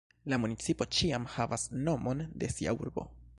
La municipo ĉiam havas nomon de sia urbo.